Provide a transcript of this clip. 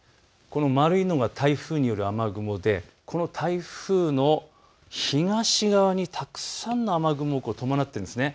丸いのが台風による雨雲でこの台風の東側にたくさんの雨雲が伴っているんです。